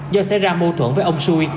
do xảy ra mâu thuẫn với ông xuân